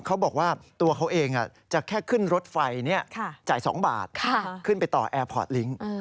เขาบอกว่าตัวเขาเองจะแค่ขึ้นรถไฟจ่าย๒บาทขึ้นไปต่อแอร์พอร์ตลิงค์